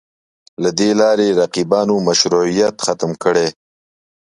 له دې لارې رقیبانو مشروعیت ختم کړي